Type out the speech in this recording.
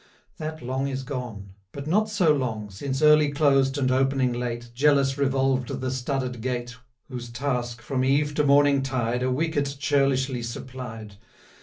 That long is gone, but not so long, Since, early closed, and opening late, Jealous revolved the studded gate, Whose task, from eve to morning tide, 50 A wicket churlishly supplied.